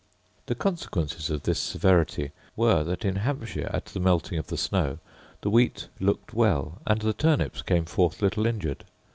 The consequences of this severity were, that in Hampshire, at the melting of the snow, the wheat looked well, and the turnips came forth little injured.